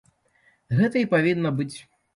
Гэта і павінна быць.